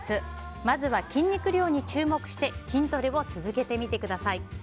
まずは筋肉量に注目して筋トレを続けてみてください。